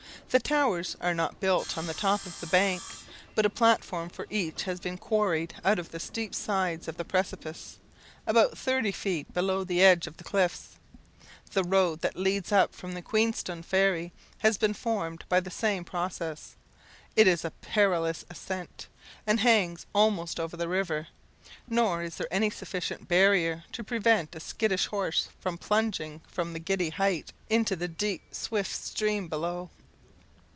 The towers are not built on the top of the bank, but a platform for each has been quarried out of the steep sides of the precipice, about thirty feet below the edge of the cliffs. The road that leads up from the Queenstone ferry has been formed by the same process. It is a perilous ascent, and hangs almost over the river, nor is there any sufficient barrier to prevent a skittish horse from plunging from the giddy height into the deep, swift stream below.